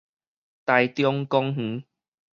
臺中公園